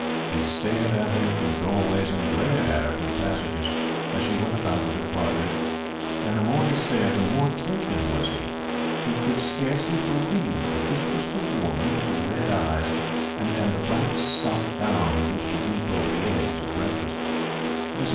He stared at her from doorways, and glared at her from passages as she went about with her partners; and the more he stared, the more taken was he. He could scarcely believe that this was the woman with the red eyes and the black stuff gown who used to weep over the eggs at breakfast. Mrs.